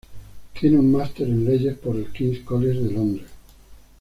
Tiene un Máster en Leyes por el King's College de Londres.